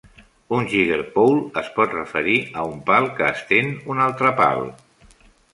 Un "jiggerpole" es pot referir a un pal que estén un altre pal.